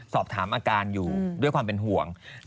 สอบถามอาการอยู่ด้วยความเป็นห่วง